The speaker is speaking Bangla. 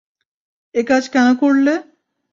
একাজ কেন করলে?